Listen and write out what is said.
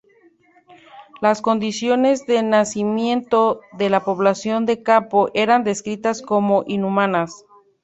Las condiciones de hacinamiento de la población del campo eran descritas como inhumanas.